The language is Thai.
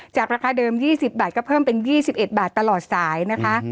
ราคาเดิม๒๐บาทก็เพิ่มเป็น๒๑บาทตลอดสายนะคะ